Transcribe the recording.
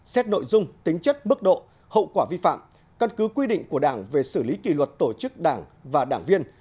xét nội dung tính chất mức độ hậu quả vi phạm căn cứ quy định của đảng về xử lý kỷ luật tổ chức đảng và đảng viên